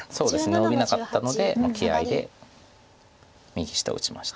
ノビなかったので気合いで右下を打ちました。